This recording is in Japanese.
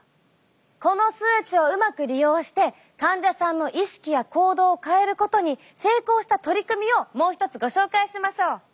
この数値をうまく利用して患者さんの意識や行動を変えることに成功した取り組みをもう一つご紹介しましょう。